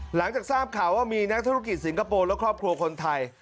หลังจากทราบข่าวว่ามีนักธุรกิจสิงคโปร์และครอบครัวคนไทย